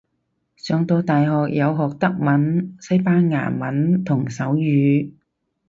上到大學有學德文西班牙文同手語